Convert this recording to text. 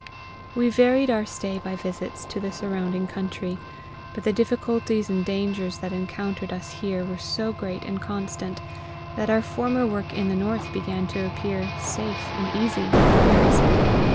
We varied our stay by visits to the surrounding country; but the difficulties and dangers that encountered us here were so great and constant, that our former work in the North began to appear safe and easy in comparison.